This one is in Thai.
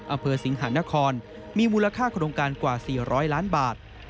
อำเภอสิงหานครมีมูลค่าโครงการกว่า๔๐๐ล้านบาท